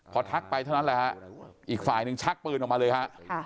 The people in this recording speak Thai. พอทักไปเท่านั้นแหละฮะอีกฝ่ายหนึ่งชักปืนออกมาเลยฮะ